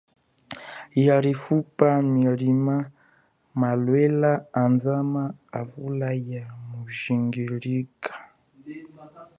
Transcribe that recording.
Yalifuka milima, malelwa andama avula ya mujingilika.